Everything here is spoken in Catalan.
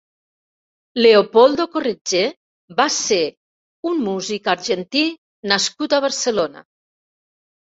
Leopoldo Corretjer va ser un músic argentí nascut a Barcelona.